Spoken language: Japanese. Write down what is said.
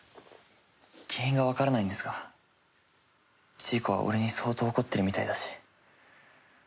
原因がわからないんですがジーコは俺に相当怒ってるみたいだし。